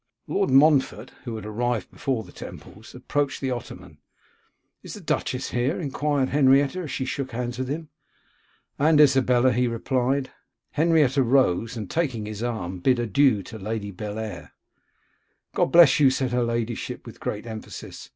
Lord Montfort, who had arrived before the Temples, approached the ottoman. 'Is the duchess here?' enquired Henrietta, as she shook hands with him. 'And Isabella,' he replied. Henrietta rose, and taking his arm, bid adieu to Lady Bellair. 'God bless you,' said her ladyship, with great emphasis.